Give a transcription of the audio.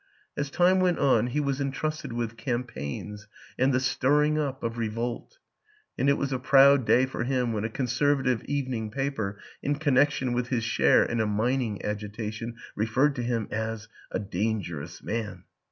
... As time went on, he was entrusted with " campaigns " and the stir ring up of revolt; and it was a proud day for him when a Conservative evening paper, in connection with his share in a mining agitation, referred to him as a dangerous man.